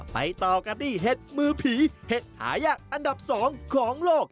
ต่อกันที่เห็ดมือผีเห็ดหายากอันดับ๒ของโลก